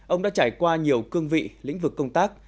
ông đã trải qua nhiều cương vị lĩnh vực công tác